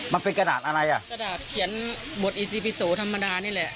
มันเป็นกระดาษอะไรอ่ะกระดาษเขียนบทอีซีปิโสธรรมดานี่แหละ